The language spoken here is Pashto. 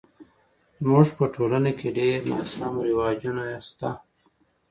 زموږ په ټولنه کې ډیر ناسم رواجونه شته